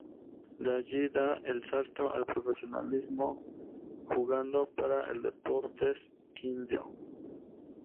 De allí da el salto al profesionalismo jugando para el Deportes Quindío.